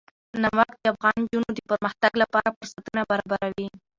نمک د افغان نجونو د پرمختګ لپاره فرصتونه برابروي.